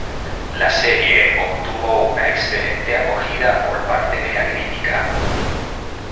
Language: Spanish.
La serie obtuvo una excelente acogida por parte de la crítica.